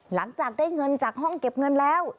หลังจากได้เงินจากห้องเก็บเงินแล้ว